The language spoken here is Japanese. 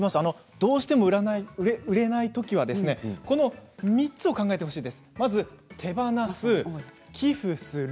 どうしても売れないときにはこの３つを考えてほしいです。